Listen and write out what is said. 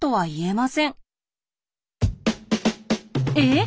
えっ？